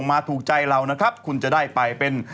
อายุปูนขนาดนี้นะนะ